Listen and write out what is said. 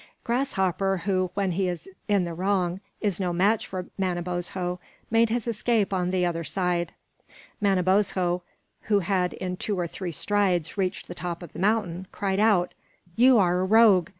Grasshopper, who, when he is in the wrong, is no match for Manabozho, made his escape on the other side. Manabozho, who had in two or three strides reached the top of the mountain, cried out: "You are a rogue.